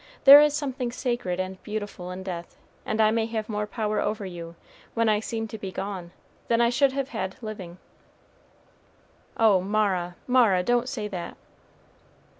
There is something sacred and beautiful in death; and I may have more power over you, when I seem to be gone, than I should have had living." "Oh, Mara, Mara, don't say that."